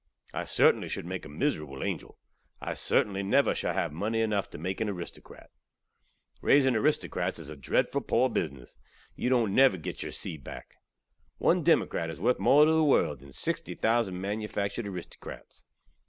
I certainly should make a miserable angel. I certainly never shall hav munny enuff tew make an aristokrat. Raizing aristokrats iz a dredful poor bizzness; yu don't never git your seed back. One democrat iz worth more tew the world than 60 thousand manufaktured aristokrats.